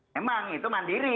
memang itu mandiri